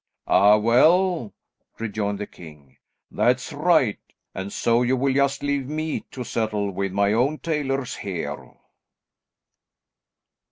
"Ah, well," rejoined the king, "that's right, and so you will just leave me to settle with my own tailors here."